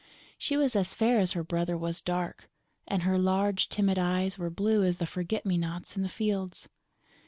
She was as fair as her brother was dark; and her large timid eyes were blue as the forget me nots in the fields.